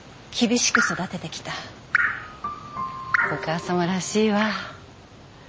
お母さまらしいわ。